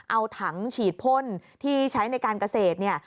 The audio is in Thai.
เอาถังฉีดพ่นที่ใช้ในการเกษตรเนี่ย